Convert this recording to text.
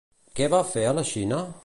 Què va fer a la Xina?